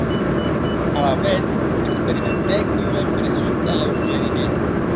Alavetz experimentèc ua impression d’aleugeriment.